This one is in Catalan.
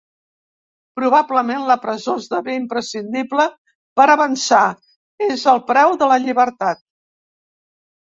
Probablement, la presó esdevé imprescindible per avançar, és el preu de la llibertat.